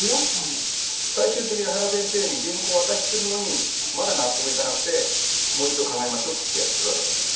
最終的に原先生に原稿を渡してるのにまだ納得いかなくて「もう一度考えましょう」ってやってるわけだから。